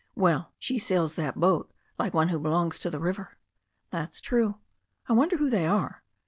"Well, she sails that boat like one who belongs to the river." "That's true. I wonder who they are."